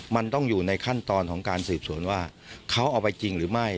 มันต้องอยู่ในขั้นตอนของการสืบสวนว่าเขาเอาไปจริงหรือไม่